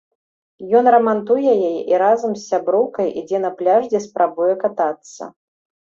Ён рамантуе яе і разам з сяброўкай ідзе на пляж, дзе спрабуе катацца.